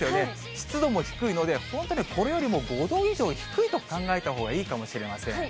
湿度も低いので、本当ね、これよりも５度以上低いと考えたほうがいいかもしれません。